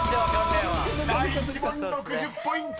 ［第１問６０ポイント！］